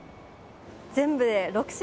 全部で６品。